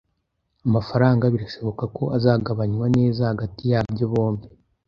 Amafaranga birashoboka ko azagabanywa neza hagati yabyo bombi